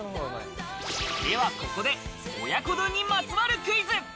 ではここで親子丼にまつわるクイズ。